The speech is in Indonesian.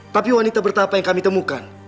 tapi wanita bertapa yang kami temukan